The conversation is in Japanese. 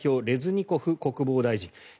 レズニコフ国防大臣。